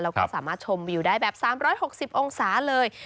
แล้วก็สามารถชมวิวได้แบบ๓๖๐องศาเลย